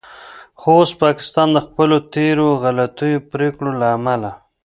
خو اوس پاکستان د خپلو تیرو غلطو پریکړو له امله